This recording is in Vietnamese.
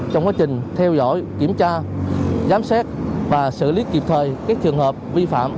trong quá trình theo dõi kiểm tra giám sát và xử lý kịp thời các trường hợp vi phạm